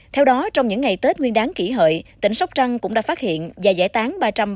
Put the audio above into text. theo đó trong những ngày tết nguyên đán kỷ hợi tỉnh sóc trăng cũng đã phát hiện và giải tán